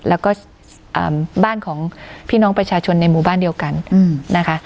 แล้วก็บ้านของพี่น้องประชาชนในหมู่บ้านเดียวกันนะคะ